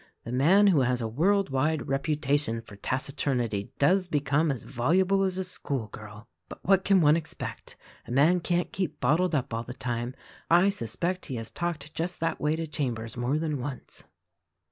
The man who has a world wide reputation for taciturnity does become as voluble as a school girl! But, what can one expect; a man can't keep bottled up all the time. I suspect he has talked just that way to Chambers more than once."